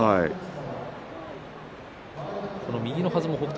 右のはずも北勝